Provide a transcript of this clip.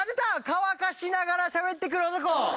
乾かしながら喋ってくる男。